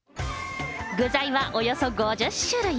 具材はおよそ５０種類。